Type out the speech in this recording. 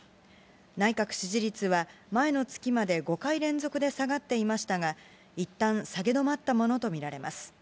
内閣支持率は前の月まで５回連続で下がっていましたが、いったん下げ止まったものと見られます。